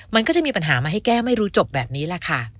มันก็จะมีปัญหามาให้แก้ไม่รู้จบแบบนี้แหละค่ะ